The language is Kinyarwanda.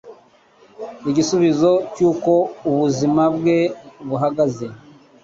igisubizo cy'uko ubuzima bwe buhagaze